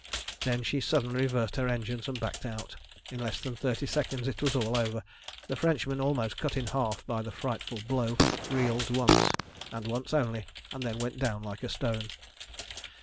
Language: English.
Then she suddenly reversed her engines and backed out. In less than thirty seconds it was all over. The Frenchman, almost cut in half by the frightful blow, reeled once, and once only, and then went down like a stone.